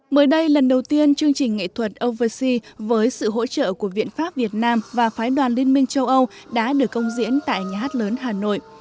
mới đây lần đầu tiên chương trình nghệ thuật oversea với sự hỗ trợ của viện pháp việt nam và phái đoàn liên minh châu âu đã được công diễn tại nhà hát lớn hà nội